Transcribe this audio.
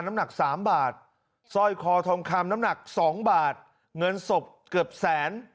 หน้าหนักสามบาทซ่อยททองคำหน้าหนักสองบาทเงินศพเกือบแสน